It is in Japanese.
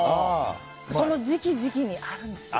その時期、時期にあるんですよ。